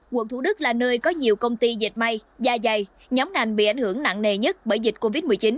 quận thủ đức là nơi có nhiều công ty dịch may da dày nhóm ngành bị ảnh hưởng nặng nề nhất bởi dịch covid một mươi chín